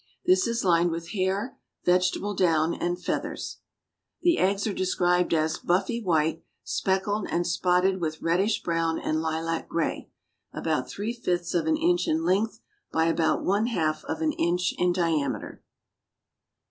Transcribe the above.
This is lined with hair, vegetable down and feathers. The eggs are described as buffy white, speckled and spotted with reddish brown and lilac gray, about three fifths of an inch in length by about one half of an inch in diameter.